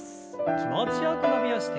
気持ちよく伸びをして。